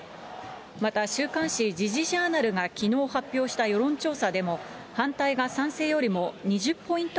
また、週刊誌、時事ジャーナルがきのう発表した世論調査でも、反対が賛成よりも２０ポイント